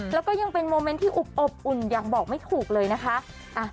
แล้วก็ยังเป็นโมเมนต์ที่อุบอบอุ่นอย่างบอกไม่ถูกเลยนะคะ